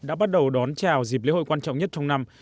đã bắt đầu đón chào dịp lễ hội quan trọng nhất trong năm